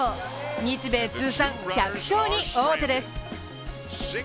日米通算１００勝に王手です。